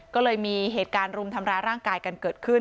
ก็เลยมีเหตุการณ์รุมทำร้ายร่างกายกันเกิดขึ้น